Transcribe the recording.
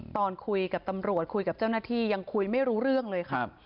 ตอนคุยกับตำรวจคุยกับเจ้าหน้าที่ยังคุยไม่รู้เรื่องเลยค่ะ